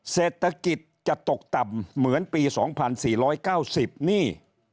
เศรษฐกิจจะตกต่ำเหมือนปี๒๔๙๐นี่